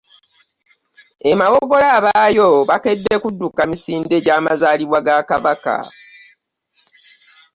E Mawogola, abaayo bakedde kudduka misinde gy'amazaalibwa ga Kabaka.